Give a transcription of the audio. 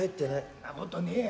そんなことねえや。